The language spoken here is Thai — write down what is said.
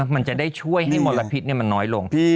มันจะได้ช่วยให้มลพิษมันน้อยลง